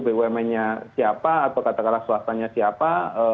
bumn nya siapa atau katakanlah swastanya siapa